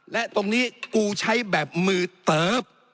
และตรงนี้กูใช้แบบมือเติบ